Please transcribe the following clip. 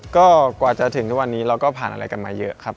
ก็กว่าจะถึงทุกวันนี้เราก็ผ่านอะไรกันมาเยอะครับ